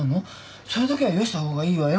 それだけはよした方がいいわよ。